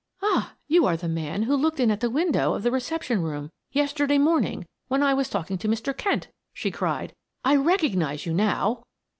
"Ah, you are the man who looked in at the window of the reception room yesterday morning when I was talking to Mr. Kent," she cried. "I recognize you now."